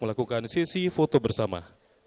melakukan sesi foto bersama